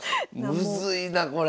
むずいなこれ。